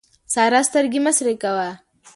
سارا سترګې مه سرې کوه.